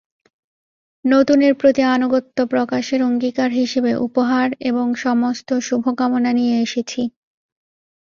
নতুনের প্রতি আনুগত্য প্রকাশের অঙ্গীকার হিসেবে উপহার এবং সমস্ত শুভকামনা নিয়ে এসেছি।